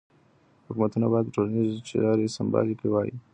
حکومتونو باید ټولنیزې چارې سمبالې کړې وای.